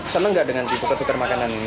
senang gak dengan ditukar tukar makanan ini